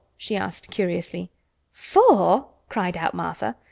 she asked curiously. "For!" cried out Martha.